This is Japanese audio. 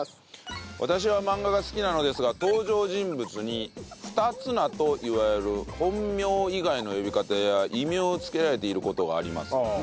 私は漫画が好きなのですが登場人物に二つ名と言われる本名以外の呼び方や異名をつけられている事があります。